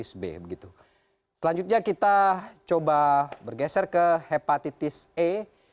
selanjutnya kita coba bergeser ke hepatitis e